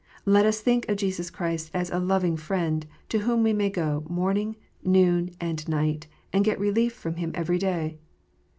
Let us think of Jesus Christ as a loving Friend, to whom we may go morning, noon, and night, and get relief from Him every day.